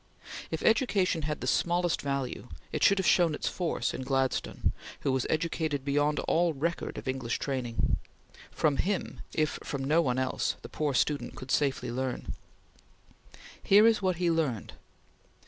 If education had the smallest value, it should have shown its force in Gladstone, who was educated beyond all record of English training. From him, if from no one else, the poor student could safely learn. Here is what he learned!